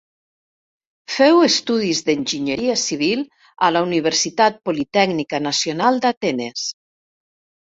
Féu estudis d'enginyeria civil a la Universitat Politècnica Nacional d'Atenes.